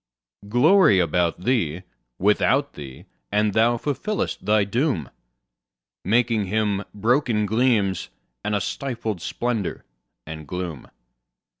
Glory about thee, without thee; and thou fulfillest thy doom, Making Him broken gleams, and a stifled splendour and gloom.